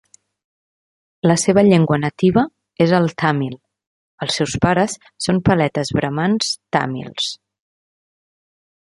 La seva llengua nativa és el tàmil, els seus pares són paletes bramans tàmils.